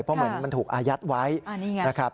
เพราะเหมือนมันถูกอายัดไว้นะครับ